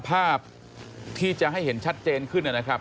ภาพที่จะให้เห็นชัดเจนขึ้นนะครับ